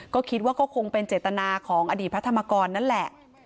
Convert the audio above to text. ก็คิดว่าก็คงเป็นเจตนาของอดีตพระธรรมกรนั่นแหละ